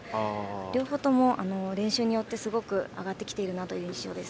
両方とも練習によってすごく上がっている印象です。